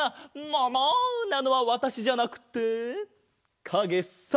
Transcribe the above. もも！なのはわたしじゃなくてかげさ！